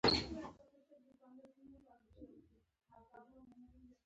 بکتریا د بدن دفاع کې مهم رول لري